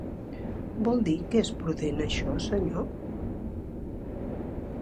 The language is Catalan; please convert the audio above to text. Vol dir que és prudent, això, senyor?